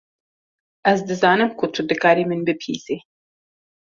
Ez dizanim ku tu dikarî min bibihîsî.